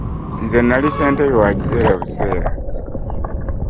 Nze nali Ssentebe wa kiseera buseera.